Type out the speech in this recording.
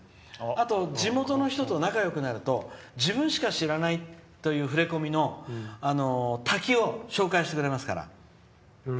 あと、地元の人と仲よくなると自分しか知らないというふれこみの滝を紹介してくれますから。